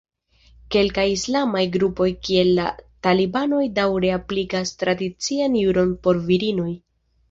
Kelkaj islamaj grupoj kiel la talibanoj daŭre aplikas tradician juron por virinoj.